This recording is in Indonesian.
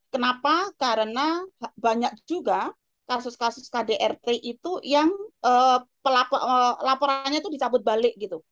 kenapa karena banyak juga kasus kasus kdrt itu yang laporannya itu dicabut balik gitu